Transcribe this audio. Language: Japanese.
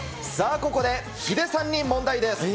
ここで、ヒデさんに問題です。